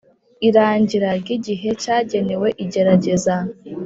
irangira ry igihe cyagenewe igerageza